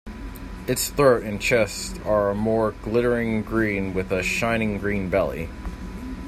Its throat and chest are a more glittering green with a shining green belly.